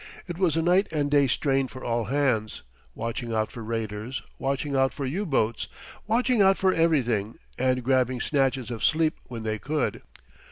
It was a night and day strain for all hands watching out for raiders, watching out for U boats, watching out for everything, and grabbing snatches of sleep when they could.